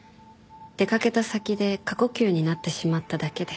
出かけた先で過呼吸になってしまっただけで。